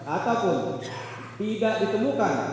ataupun tidak ditemukan